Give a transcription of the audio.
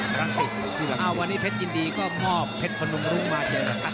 ในที่รักษิตอ้าววันนี้เพชรยียนดีก็มอบเพชรคนลงมาเจอนะครับ